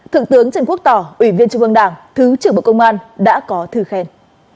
thượng tướng trần quốc tỏ ủy viên chủ vương đảng thứ trưởng bộ công an đã có thư khen